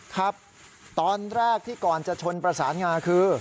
ครับตอนแรกที่ก่อนจะชนประสานงาคือ